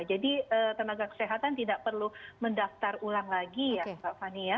jadi tenaga kesehatan tidak perlu mendaftar ulang lagi ya pak fani ya